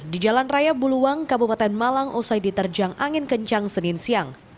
di jalan raya buluwang kabupaten malang usai diterjang angin kencang senin siang